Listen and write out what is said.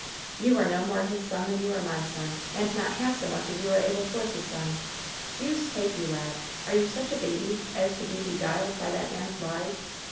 "You are no more his son than you are my son ! And not half so much as you are Abel Force's son ! Deuce take you, lad, are you such a baby as to be beguiled by that man's lies